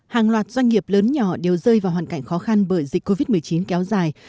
hàng loạt doanh nghiệp lớn nhỏ đều rơi vào hoàn cảnh khó khăn bởi dịch covid một mươi chín kéo dài